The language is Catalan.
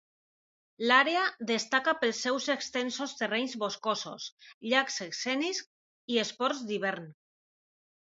L'àrea destaca pels seus extensos terrenys boscosos, llacs escènics i esports d'hivern.